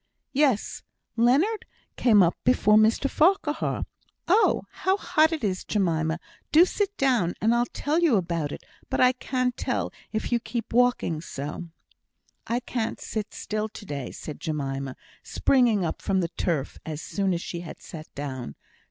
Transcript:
"Yes! Leonard came up before Mr Farquhar. Oh! how hot it is, Jemima; do sit down, and I'll tell you about it, but I can't if you keep walking so!" "I can't sit still to day," said Jemima, springing up from the turf as soon as she had sat down.